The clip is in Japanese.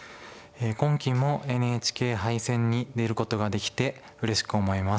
今期もＮＨＫ杯戦に出ることができてうれしく思います。